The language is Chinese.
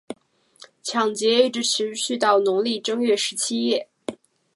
抢劫一直持续到农历正月十七日夜。